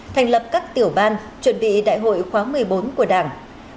thành lập các tiểu ban chuẩn bị đại hội khóa một mươi bốn của đảng